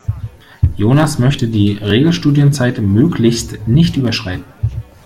Jonas möchte die Regelstudienzeit möglichst nicht überschreiten.